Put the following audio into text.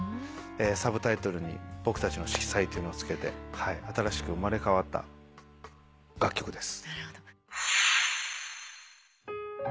サブタイトルに『僕たちの色彩』をつけて新しく生まれ変わった楽曲です。